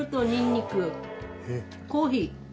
コーヒー？